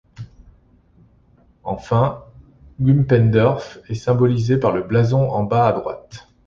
En fin, Gumpendorf est symbolisé par le blason en bas à droite.